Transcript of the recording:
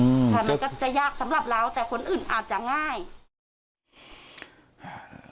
ค่ะมันก็จะยากสำหรับเราแต่คนอื่นอาจจะง่าย